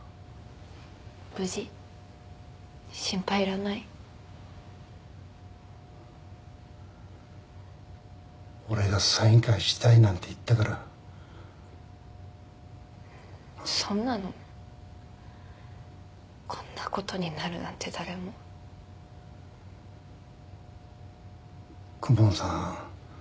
無事心配いらない俺がサイン会したいなんて言ったからそんなのこんなことになるなんて誰も公文さん